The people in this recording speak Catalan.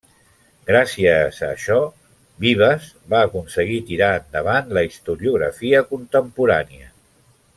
Gràcies a això, Vives va aconseguir tirar endavant la historiografia contemporània.